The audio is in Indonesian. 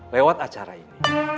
lewat acara ini